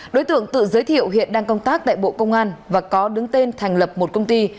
đối tượng tự giới thiệu hiện đang công tác tại bộ công an và có đứng tên thành lập một công ty